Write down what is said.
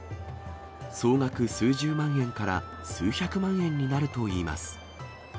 総額、数十万円から数百万円になるといいます。